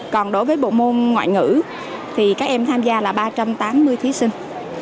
còn đối với bộ môn ngoại ngữ thì các em tham gia là ba trăm tám mươi thí sinh